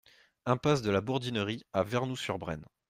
Impasse de la Bourdinerie à Vernou-sur-Brenne